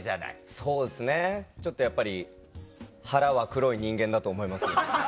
そうですねちょっとやっぱり腹は黒い人間だと思います